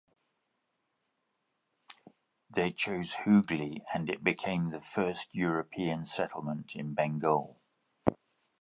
They chose Hooghly, and it became the first European settlement in Bengal.